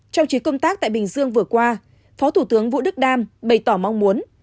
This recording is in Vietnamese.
trong trí công tác tại bình dương vừa qua phó thủ tướng vũ đức đam bày tỏ mong muốn